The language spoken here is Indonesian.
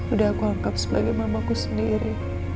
udah aku anggap sebagai mamaku sendiri